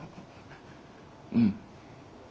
うん。